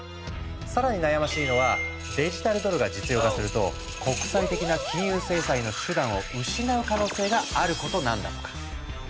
更に悩ましいのはデジタルドルが実用化すると国際的な金融制裁の手段を失う可能性があることなんだとか。